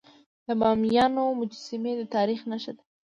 د بامیانو مجسمي د تاریخ نښه ده.